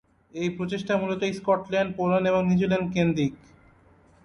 এই প্রচেষ্টা মূলত স্কটল্যান্ড, পোল্যান্ড এবং নিউজিল্যান্ড কেন্দ্রিক।